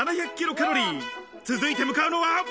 続いて向かうのは。